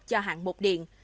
cho hạng bột điện